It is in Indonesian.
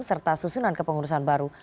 serta susunan kepengurusan baru